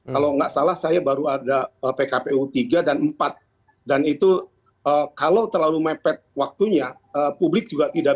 kalau nggak salah saya baru ada pkpu tiga dan empat dan itu kalau terlalu mepet waktunya publik juga tidak